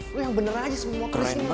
lu yang bener aja semua krisisnya